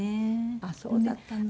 あっそうだったの。